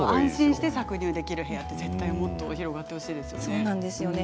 安心して搾乳できる部屋はもっと広がってほしいですよね。